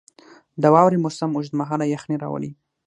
• د واورې موسم اوږد مهاله یخني راولي.